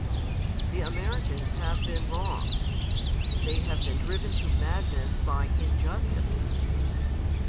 The Americans have been wronged. They have been driven to madness by injustice.